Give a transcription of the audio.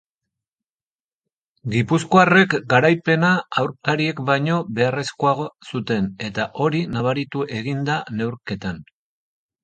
Gipuzkoarrek garaipena aurkariek baino beharrezkoago zuten eta hori nabaritu egin da neurketan.